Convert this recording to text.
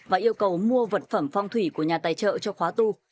và yêu cầu mua vật phẩm phong thủy của nhà tài trợ cho khóa tu